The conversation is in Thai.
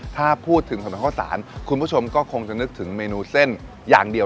ถ้าพูดถึงสำนักข้าวสารคุณผู้ชมก็คงจะนึกถึงเมนูเส้นอย่างเดียว